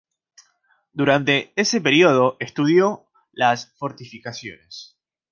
Durante ese período, estudió las fortificaciones.